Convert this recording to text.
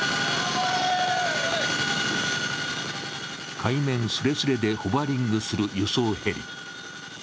海面すれすれでホバリングする輸送ヘリ。